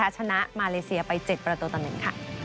ชนะมาเลเซียไป๗ประตูต่อ๑ค่ะ